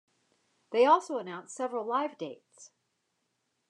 They also announced several live dates.